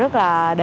rất là dễ